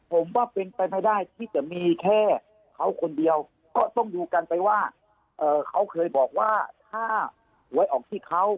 ผมว่าเป็นไปไม่ได้ที่จะมีแค่เขาคนเดียวก็ต้องดูกันไปว่าเขาเคยบอกว่าถ้าหวยออกที่เขา